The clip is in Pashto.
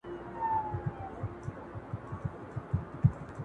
په خطي بڼه نه دی